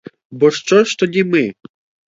Бо що ж тоді ми?